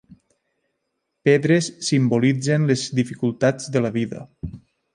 Pedres simbolitzen les dificultats de la vida.